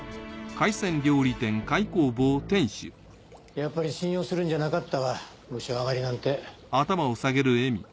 やっぱり信用するんじゃなかったわムショあがりなんて。